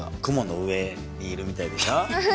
雲の上にいるみたいでしょ。